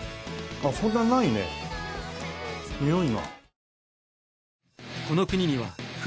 そんなにないねにおいが。